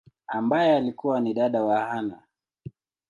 ambaye alikua ni dada wa Anna.